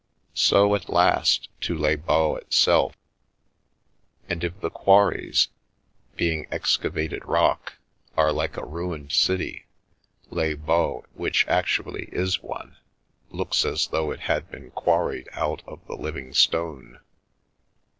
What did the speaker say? So, at last, to Les Baux itself; and if the quarries, being excavated rock, are like a ruined city, Les Baux, which actually is one, looks as though it had been quar ried out of the living stone.